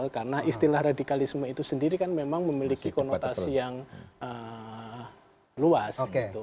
karena istilah radikalisme itu sendiri memang memiliki konotasi yang luas